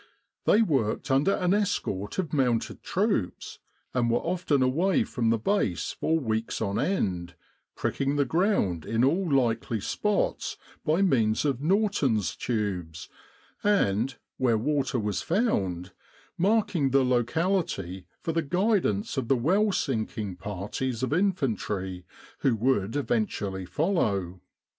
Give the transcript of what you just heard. They worked under an escort of mounted troops, and were often away from the base for weeks on end, pricking the ground in all likely 138 El Arish and After spots by means of Norton's Tubes, and, where water was found, marking the locality for the guidance of the well sinking parties of infantry who would event ually follow.